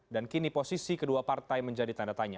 dan kini posisi kedua partai menjadi tanda tanya